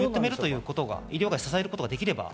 医療界を支えることができれば。